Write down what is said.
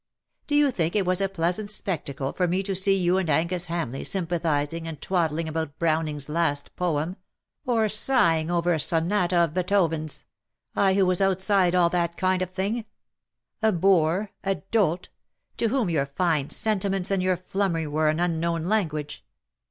Do you think it was a pleasant spectacle for me to see you and Angus Ham leigh sympathizing and twaddling about Browning's last poem — or sighing over a sonata of Beethoven^s — I who was outside all that kind of thing? — a boor — a dolt — to whom your fine sentiments and your flummery were an unknown language.